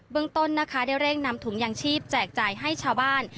เมืองต้นนะคะได้เร่งนำถุงยางชีพแจกจ่ายให้ชาวบ้าน